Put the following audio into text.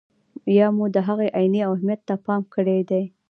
یا مو د هغه عیني اهمیت ته پام کړی دی.